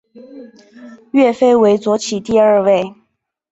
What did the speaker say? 岳飞为左起第二位。